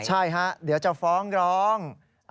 ใช่ฮะเดี๋ยวจะฟ้องร้อง